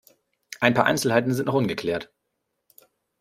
Ein paar Einzelheiten sind noch ungeklärt.